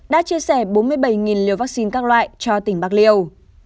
đã chia sẻ bốn mươi bảy liều vaccine các loại cho tỉnh bạc liêu